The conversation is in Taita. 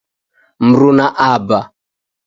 Mruna aba